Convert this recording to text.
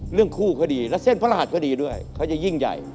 เรื่องคู่เค้าดีและเส้นพระรหัสเค้าดีด้วยเค้ายิ่งใหญ่